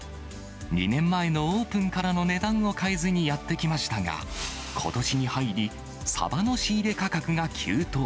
２年前のオープンからの値段を変えずにやってきましたが、ことしに入り、サバの仕入れ価格が急騰。